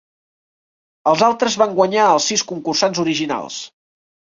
Els altres van guanyar als sis concursants originals.